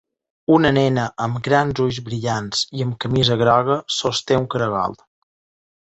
Una nena amb grans ulls brillants i amb camisa groga sosté un caragol.